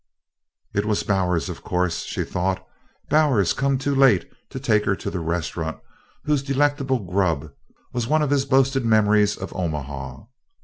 It was Bowers, of course she thought Bowers come too late to take her to the restaurant whose delectable "grub" was one of his boasted memories of Omaha.